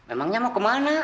emangnya mau ke mana